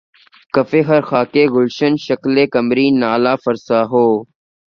کفِ ہر خاکِ گلشن‘ شکلِ قمری‘ نالہ فرسا ہو